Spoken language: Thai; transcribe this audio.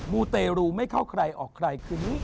มูเตรูไม่เข้าใครออกใครคืนนี้